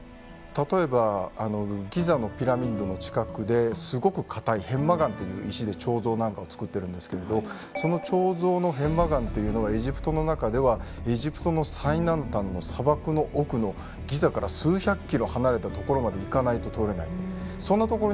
例えばギザのピラミッドの近くですごくかたい片麻岩という石で彫像なんかを作ってるんですけれどその彫像の片麻岩というのはエジプトの中ではエジプトの最南端の砂漠の奥のギザから数百キロ離れた所まで行かないと採れない。